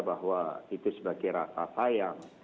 bahwa itu sebagai rasa sayang